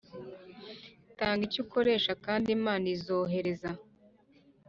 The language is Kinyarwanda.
tanga icyo ukoreshe kandi imana izohereza